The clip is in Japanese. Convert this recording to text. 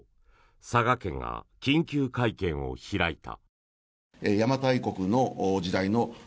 佐賀県が緊急会見を開いた。